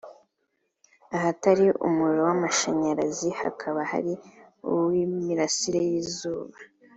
ahatari umuro w’amashyanyarazi hakaba hari uw’imirasire y’izuba